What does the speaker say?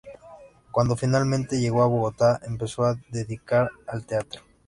Cuando finalmente llegó a Bogotá se empezó a dedicar al teatro.